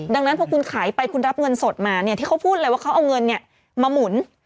ดังนั้นพอคุณขายไปคุณรับเงินสดมาเนี่ยที่เขาพูดเลยว่าเขาเอาเงินมาหมุน